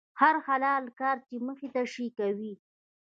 هر حلال کار چې مخې ته شي، کوي یې.